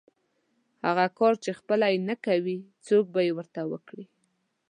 هغه کار چې خپله یې نه کوئ، څوک به یې درته وکړي؟